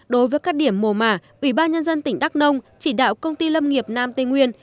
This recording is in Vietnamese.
đối với các điểm mồ mà ủy ban nhân dân tỉnh đắk nông chỉ đạo công ty lâm nghiệp nam tây nguyên